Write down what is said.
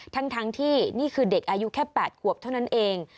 ทั้งที่นี่คือเด็กอายุแค่๘ขวบเท่านั้นเอง